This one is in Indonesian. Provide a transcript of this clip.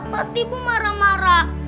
pasti ibu marah marah